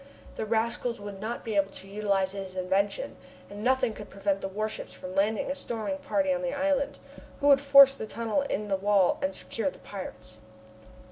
The rascals would not be able to utilize his invention, and nothing could prevent the warships from landing a storming party on the island, who would force the tunnel in the wall and secure the pirates!